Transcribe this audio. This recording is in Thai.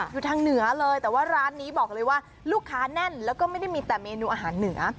อยู่ทางเหนือเลยแต่ว่าร้านนี้บอกเลยว่าลูกค้าแน่นแล้วก็ไม่ได้มีแต่เมนูอาหารเหนือ